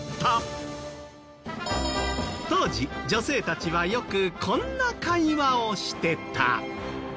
当時女性たちはよくこんな会話をしてた。